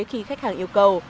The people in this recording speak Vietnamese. khi khách hàng yêu cầu